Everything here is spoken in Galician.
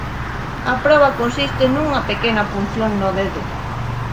A proba consiste nunha pequena punción no dedo.